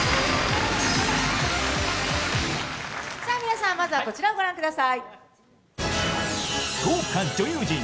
皆さんまずはこちらを御覧ください。